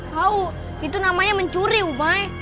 tau itu namanya mencuri umai